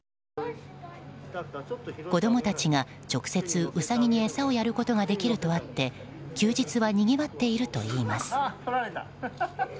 子供たちが直接ウサギに餌をやることができるとあって休日はにぎわっているといいます。